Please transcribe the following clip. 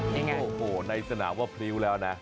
วันใหม่ในสนามว่าพริ้วแล้วนะ